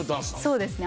そうですね。